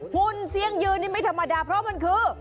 ุ่นเสียงยืนนี่ไม่ธรรมดาเพราะมันคือ